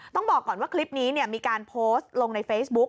ต้องบอกก่อนว่าคลิปนี้มีการโพสต์ลงในเฟซบุ๊ก